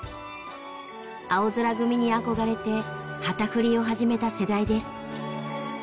あおぞら組に憧れて旗振りを始めた世代です。